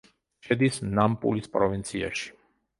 შედის ნამპულის პროვინციაში.